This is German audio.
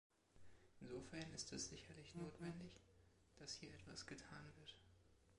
Insofern ist es sicherlich notwendig, dass hier etwas getan wird.